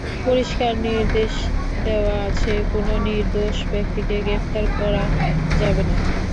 পরিষ্কার নির্দেশ দেওয়া আছে, কোনো নির্দোষ ব্যক্তিকে গ্রেপ্তার করা যাবে না।